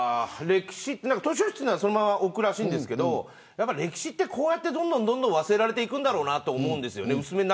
図書室にはそのまま置くらしいんですけど歴史ってこうやってどんどん忘れられていくんだろうなと思うんです。